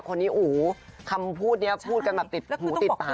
คนนี้อู๋คำพูดเนี่ยพูดกันแบบหูติดปากมาก